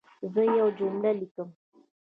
زه یوه جمله لیکم.